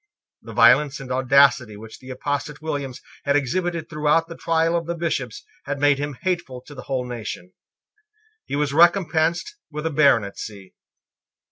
The violence and audacity which the apostate Williams had exhibited throughout the trial of the Bishops had made him hateful to the whole nation. He was recompensed with a baronetcy.